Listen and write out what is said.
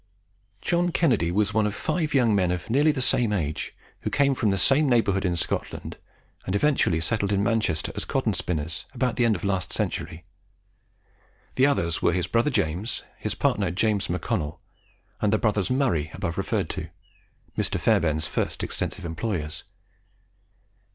John Kennedy was one of five young men of nearly the same age, who came from the same neighbourhood in Scotland, and eventually settled in Manchester as cottons pinners about the end of last century. The others were his brother James, his partner James MacConnel, and the brothers Murray, above referred to Mr. Fairbairn's first extensive employers.